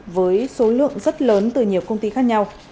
với số lượng rất lớn từ nhiều công ty khác nhau